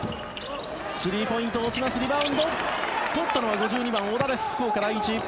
スリーポイント落ちます、リバウンド取ったのは５２番、小田です福岡第一。